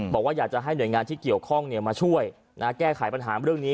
บอกว่าอยากจะให้หน่วยงานที่เกี่ยวข้องมาช่วยแก้ไขปัญหาเรื่องนี้